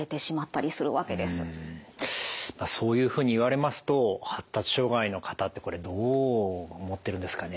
まあそういうふうに言われますと発達障害の方ってこれどう思ってるんですかね。